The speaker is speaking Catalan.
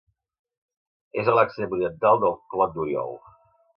És a l'extrem oriental del Clot d'Oriol.